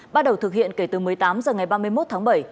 bắt đầu thực hiện kể từ một mươi tám h ngày ba mươi một tháng bảy